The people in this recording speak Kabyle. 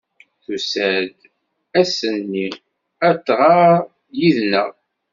Tusa-d ass-nni ad tɣer did-neɣ.